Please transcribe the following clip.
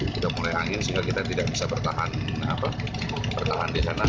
sudah mulai angin sehingga kita tidak bisa bertahan di sana